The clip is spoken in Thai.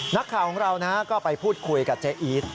นักข่าวของเราก็ไปพูดคุยกับเจ๊อีท